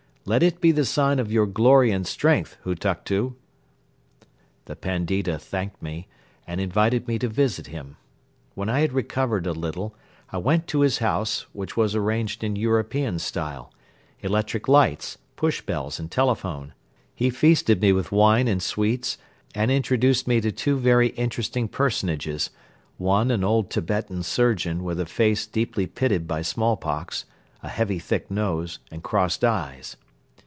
"Let it be the sign of your glory and strength, Hutuktu!" The Pandita thanked me and invited me to visit him. When I had recovered a little, I went to his house, which was arranged in European style: electric lights, push bells and telephone. He feasted me with wine and sweets and introduced me to two very interesting personages, one an old Tibetan surgeon with a face deeply pitted by smallpox, a heavy thick nose and crossed eyes.